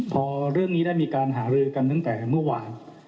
ประธานก็ไม่ได้มีอำนาจเด็ดต้อง